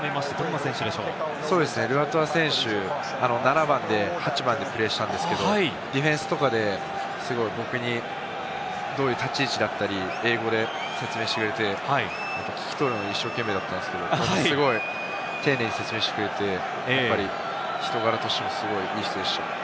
ルアトゥア選手、８番でプレーしたんですけど、ディフェンスとかで僕にどういう立ち位置だったり、英語で説明してくれて、聞き取るのに一生懸命だったんですけれども、すごい丁寧に説明してくれて、人柄としてもすごい、いい人でした。